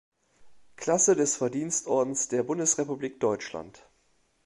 Klasse des Verdienstordens der Bundesrepublik Deutschland“.